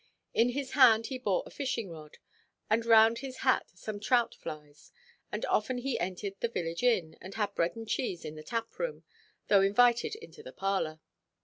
In his hand he bore a fishing–rod, and round his hat some trout–flies; and often he entered the village inn, and had bread and cheese in the taproom, though invited into the parlour.